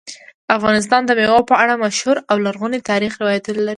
افغانستان د مېوو په اړه مشهور او لرغوني تاریخی روایتونه لري.